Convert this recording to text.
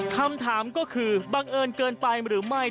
คำถามก็คือบังเอิญเกินไปหรือไม่